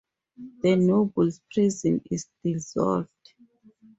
The nobles prison is dissolved.